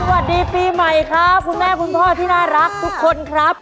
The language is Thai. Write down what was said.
สวัสดีปีใหม่ครับคุณแม่คุณพ่อที่น่ารักทุกคนครับ